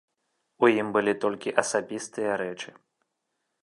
У ім былі толькі асабістыя рэчы.